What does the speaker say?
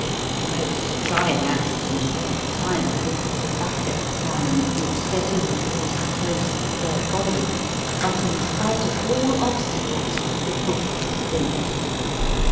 The most trying accident of all the time was the tobacco famine which DAVID CHRISTIE MURRAY 203 set in towards the close of the third volume, but, in spite of all obstacles, the book was finished.